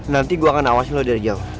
nanti gue akan awasin lo dari jauh